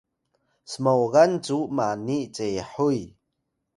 smoya cu mani cehuy